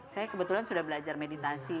saya kebetulan sudah belajar meditasi